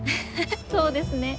そうですね。